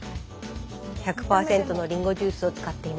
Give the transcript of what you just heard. １００％のりんごジュースを使っています。